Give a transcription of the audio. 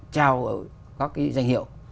cho các danh hiệu